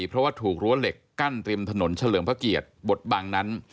เพราะว่าถูกรั้วเหล็กกั้นริมถนนเฉลิมพระเกียรติบทบังนั้น